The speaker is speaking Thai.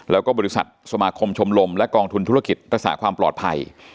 แล้วก็บริษัทสมาคมชมรมและกองทุนธุรกิจรักษาความปลอดภัย